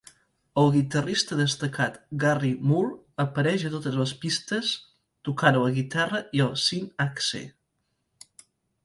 El guitarrista destacat Gary Moore apareix a totes les pistes tocant la guitarra i el SynthAxe.